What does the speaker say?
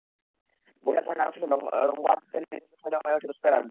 বহিরাঙ্গণে নাটক শেষে রঙ্গ আড্ডাতে নির্দেশকের সঙ্গে জমে ওঠে দর্শকের আড্ডা।